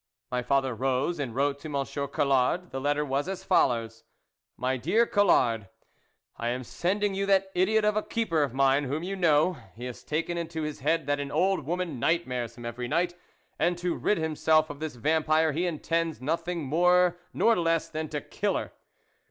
My father rose, and wrote to M. Col lard ; the letter was as follows :" My DEAR COLLARD, " I am sending you that idiot of a keeper of mine, whom you know ; he has taken into his head that an old woman nightmares him every night, and, to rid himself of this vampire, he intends no hing more nor less than to kill her.